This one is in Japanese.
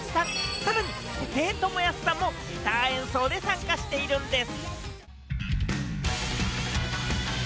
さらに、布袋寅泰さんもギター演奏で参加しているんです。